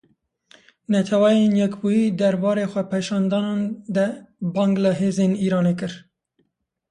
Neteweyên Yekbûyî derbarê xwepêşandanan de bang li hêzên Îranê kir.